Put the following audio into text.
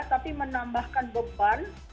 tapi menambahkan beban